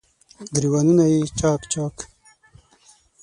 ګریوانونه یې چا ک، چا ک